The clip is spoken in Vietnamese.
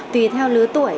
tùy theo lứa tuổi